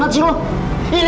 bersih banget sih lo